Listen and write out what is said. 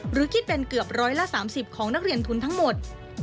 หรือคิดเป็นเกือบร้อยละ๓๐ของนักเรียนทุนทั้งหมด